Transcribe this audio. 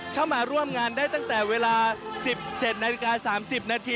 เข้ามาร่วมงานได้ตั้งแต่เวลา๑๗๓๐น